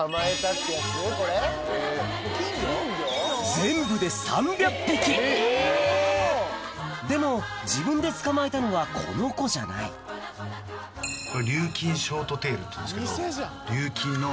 全部ででも自分で捕まえたのはこの子じゃない琉金ショートテールっていうんですけど琉金の。